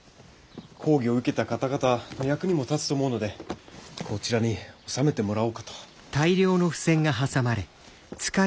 講義を受けた方々の役にも立つと思うのでこちらに納めてもらおうかと。